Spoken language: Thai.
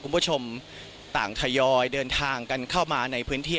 คุณผู้ชมต่างทยอยเดินทางกันเข้ามาในพื้นที่